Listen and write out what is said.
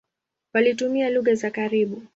Walitumia lugha za karibu.